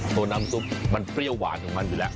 ตัวน้ำซุปมันเปรี้ยวหวานของมันอยู่แล้ว